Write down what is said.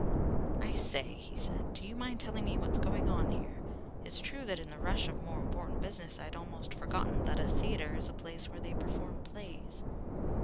"I say," he said. "Do you mind telling me what's going on here? It's true that in the rush of more important business I'd almost forgotten that a theatre is a place where they perform plays."